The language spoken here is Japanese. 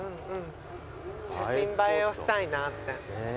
写真映えをしたいなって。